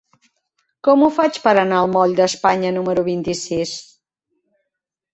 Com ho faig per anar al moll d'Espanya número vint-i-sis?